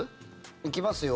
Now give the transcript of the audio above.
行きますよ。